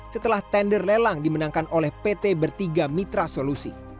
setelah tender lelang dimenangkan oleh pt bertiga mitra solusi